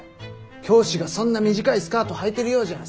教師がそんな短いスカートはいてるようじゃ